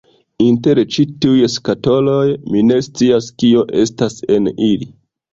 Inter ĉi tiuj skatoloj, mi ne scias kio estas en ili